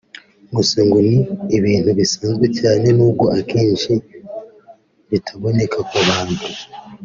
gusa ngo ni ibintu bisanzwe cyane n’ubwo akenshi bitaboneka ku bantu